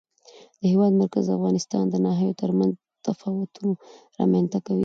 د هېواد مرکز د افغانستان د ناحیو ترمنځ تفاوتونه رامنځته کوي.